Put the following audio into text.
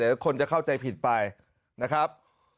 เดี๋ยวคนจะเข้าใจผิดไปนะครับ